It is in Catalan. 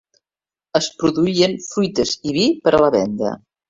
Es produïen fruites i vi per a la venda.